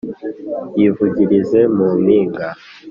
Yivugirize mu mpinga